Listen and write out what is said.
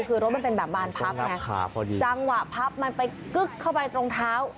คือรถมันเป็นแบบบานพับไงจังหวะพับมันไปกึ๊กเข้าไปตรงเท้า